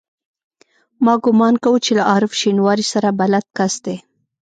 ما ګومان کاوه چې له عارف شینواري سره بلد کس دی.